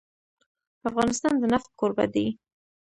افغانستان د نفت کوربه دی.